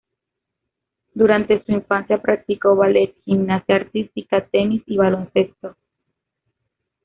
Durante su infancia practicó ballet, gimnasia artística, tenis y baloncesto.